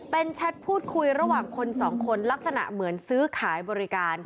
เป็นแชทพูดคุยระหว่างคนสองคนลักษณะเหมือนซื้อขายบริการ